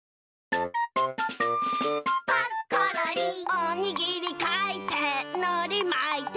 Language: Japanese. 「おにぎりかいてのりまいて」